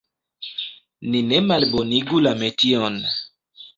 Ni ne malbonigu la metion!